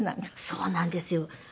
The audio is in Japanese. そうなんですよ。